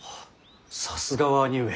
さすがは兄上。